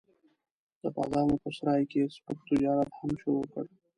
د بادامو په سرای کې یې سپک تجارت هم شروع کړ.